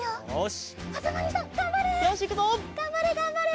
がんばれがんばれ！